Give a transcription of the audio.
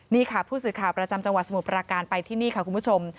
นี่ค่ะผู้สื่อข่าวประจำจังหวัดสมุทรปราการไปที่นี่ค่ะคุณผู้ชม